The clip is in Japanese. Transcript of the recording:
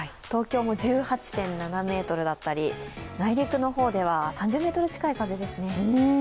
東京も１８．７メートルだったり内陸の方では３０メートル近い風ですね。